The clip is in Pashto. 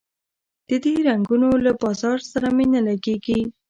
د دې رنګونو له بازار سره مي نه لګیږي